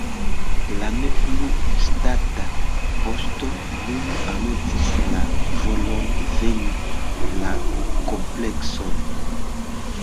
La ne plu ŝtata poŝto nun anoncis la volon vendi la komplekson.